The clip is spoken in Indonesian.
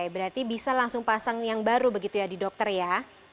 berarti bisa langsung pasang yang baru begitu ya di dokter ya